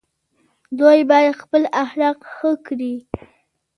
دوی باید خپل اخلاق ښه کړي.